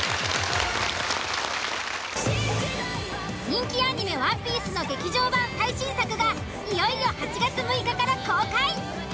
人気アニメ「ＯＮＥＰＩＥＣＥ」の劇場版最新作がいよいよ８月６日から公開。